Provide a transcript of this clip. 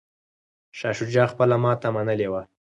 شاه شجاع خپله ماته منلې وه.